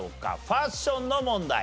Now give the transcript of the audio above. ファッションの問題。